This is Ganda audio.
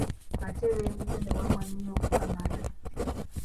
Ate lw’ebuze n’ewammwa nnyo okukamala.